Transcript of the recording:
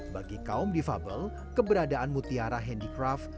bagi kaum difabel keberadaan mutiara handicraft